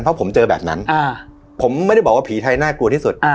เพราะผมเจอแบบนั้นผมไม่ได้บอกว่าผีไทยน่ากลัวที่สุด